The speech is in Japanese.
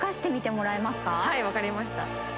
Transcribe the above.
はい分かりました。